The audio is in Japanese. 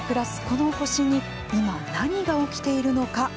このほしに今、何が起きているのか。